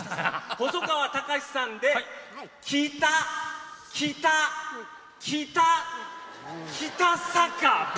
細川たかしさんで北北「北酒場」！